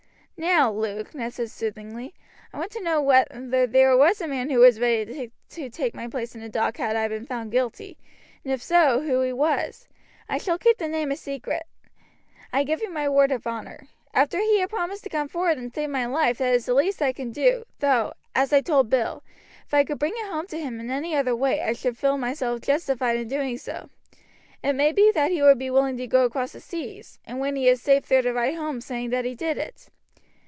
"Now, Luke," Ned said soothingly, "I want to know whether there was a man who was ready to take my place in the dock had I been found guilty, and if so, who he was. I shall keep the name as a secret. I give you my word of honor. After he had promised to come forward and save my life that is the least I can do, though, as I told Bill, if I could bring it home to him in any other way I should feel myself justified in doing so. It may be that he would be willing to go across the seas, and when he is safe there to write home saying that he did it."